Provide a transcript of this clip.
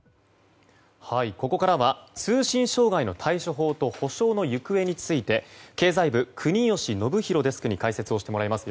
ここからは通信障害の対処法と補償の行方について経済部、国吉伸洋デスクに解説をしてもらいます。